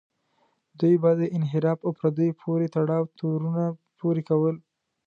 دوی به د انحراف او پردیو پورې تړاو تورونه پورې کول.